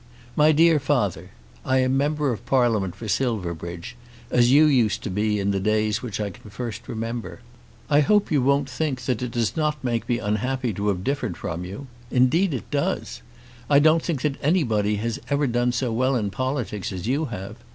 MY DEAR FATHER, I am Member of Parliament for Silverbridge, as you used to be in the days which I can first remember. I hope you won't think that it does not make me unhappy to have differed from you. Indeed it does. I don't think that anybody has ever done so well in politics as you have.